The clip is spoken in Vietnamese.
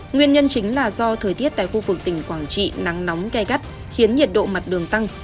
nguyên nhân chính là do thời tiết tại khu vực tỉnh quảng trị nắng nóng gai gắt khiến nhiệt độ mặt đường tăng